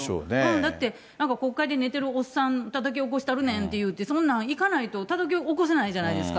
だって、なんか国会で寝てるおっさん、たたき起こしたるねんって、そんなん、行かないと、たたき起こせないじゃないですか。